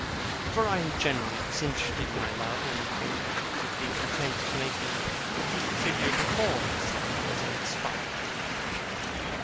For I am generally disinterested in my love, and think I could be content to make a figure before Miss Larkins, and expire.